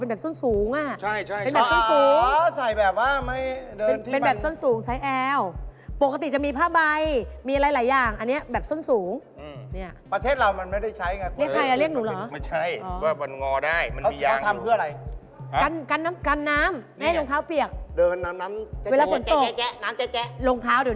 อันนี้เป็นแบบส้นสูง